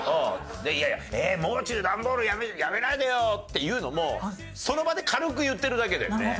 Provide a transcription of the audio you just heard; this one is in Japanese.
「もう中段ボールやめないでよ」っていうのもその場で軽く言ってるだけだよね。